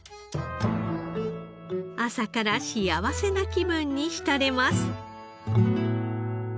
朝から幸せな気分に浸れます。